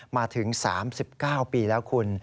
มาถึง๓๙ปีแล้วคุณ